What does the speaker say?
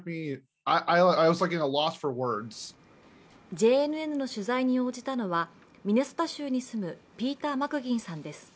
ＪＮＮの取材に応じたのはミネソタ州に住むピーター・マクギンさんです。